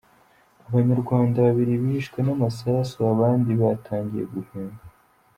Abanyarwanda babiri bishwe n’amasasu, abandi batangiye guhunga